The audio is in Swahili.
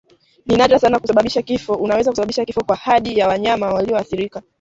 Ni nadra sana kusababisha kifo Unaweza kusababisha kifo kwa hadi ya wanyama walioathirika